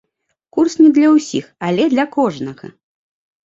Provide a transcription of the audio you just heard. Курс не для ўсіх, але для кожнага!